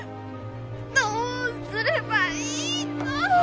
どうすればいいの！